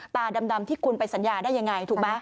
ตาดำที่คุณไปสัญญาได้ยังไงถูกไหม